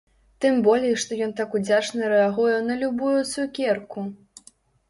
Тым болей што ён так удзячна рэагуе на любую цукерку!